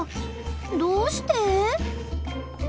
どうして？